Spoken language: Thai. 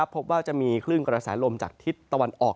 พบว่าจะมีคลื่นกระแสลมจากทิศตะวันออก